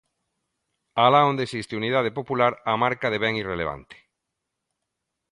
Alá onde existe unidade popular, a marca devén irrelevante.